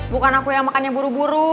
bukan aku yang makannya buru buru